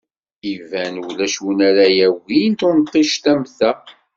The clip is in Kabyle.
Iban ulac win ara yagin tunṭict am ta!